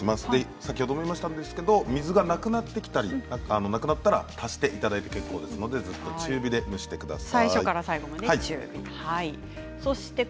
先ほども言いましたが水がなくなったら足していただいて結構ですのでずっと中火で蒸してください。